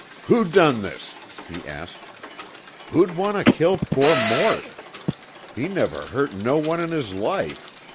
"Who done this?" he asked. "Who'd want to kill poor Mort? He never hurt no one in his life.